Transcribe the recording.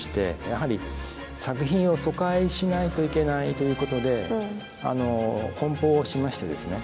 やはり作品を疎開しないといけないということでこん包をしましてですね